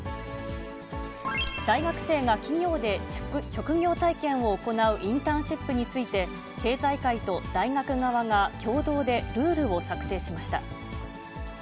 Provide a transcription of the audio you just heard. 大学生が企業で職業体験を行うインターンシップについて、経済界と大学側が共同でルールを策定しました。